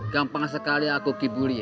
gampang sekali aku kibuli ya